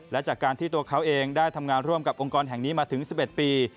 และจากการที่ตัวเขาเองได้ทำงานร่วมกับองค์กรแห่งนี้มาถึง๑๑ปี